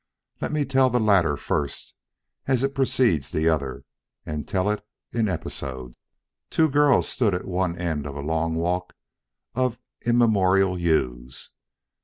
Let me tell the latter first, as it preceded the other, and tell it in episodes. Two girls stood at one end of a long walk of immemorial yews.